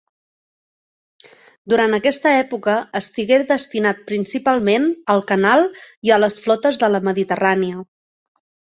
Durant aquesta època estigué destinat principalment al Canal i a les Flotes de la Mediterrània.